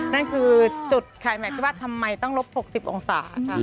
นั่นคือจุดขายแม็กซ์ที่ว่าทำไมต้องลบ๖๐องศาค่ะ